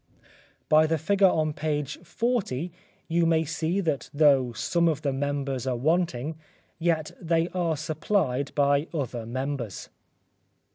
By the figure on p. 40 you may see that though some of the members are wanting, yet they are supplied by other members.